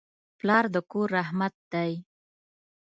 پلار د کور رحمت دی.